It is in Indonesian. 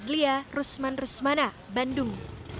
rizka rizlia rusman rusmana bandung